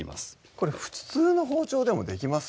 これ普通の包丁でもできますか？